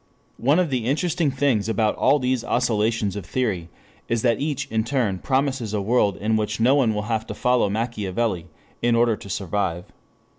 One of the interesting things about all these oscillations of theory is that each in turn promises a world in which no one will have to follow Machiavelli in order to survive.